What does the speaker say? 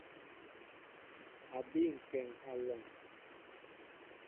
A bii kéŋ alɔŋ.